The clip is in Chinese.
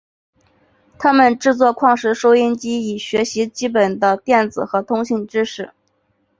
他们制作矿石收音机以学习基本的电子和通信知识。